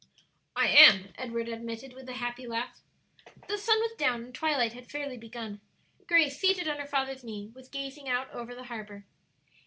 "I am," Edward admitted, with a happy laugh. The sun was down and twilight had fairly begun. Grace, seated on her father's knee, was gazing out over the harbor.